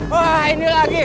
wah ini lagi